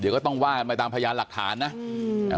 เดี๋ยวก็ต้องว่ากันไปตามพยานหลักฐานนะอืมอ่า